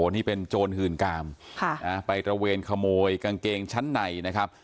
นี่เป็นโจรหื่นกามไปตระเวนขโมยกางเกงชั้นในนะครับ